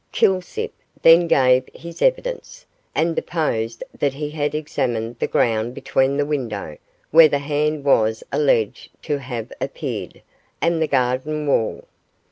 Kilsip then gave his evidence, and deposed that he had examined the ground between the window, where the hand was alleged to have appeared, and the garden wall.